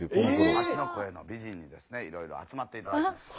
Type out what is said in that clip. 街の声の美人にですねいろいろ集まって頂きました。